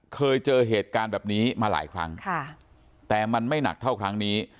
เคยเจอเหตุการณ์แบบนี้มาหลายครั้งแต่มันไม่หนักเท่าครั้งนี้